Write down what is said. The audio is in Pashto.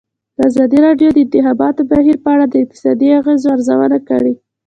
ازادي راډیو د د انتخاباتو بهیر په اړه د اقتصادي اغېزو ارزونه کړې.